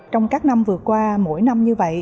trong các năm vừa qua mỗi năm như vậy